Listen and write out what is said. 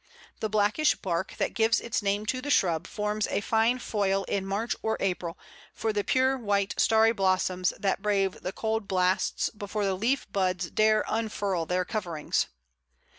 The blackish bark that gives its name to the shrub forms a fine foil in March or April for the pure white starry blossoms that brave the cold blasts before the leaf buds dare unfurl their coverings.